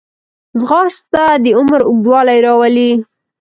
ځغاسته د عمر اوږدوالی راولي